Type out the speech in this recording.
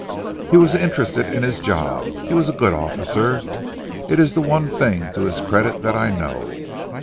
"He was interested in his job. He was a good officer. It is the one thing to his credit that I know.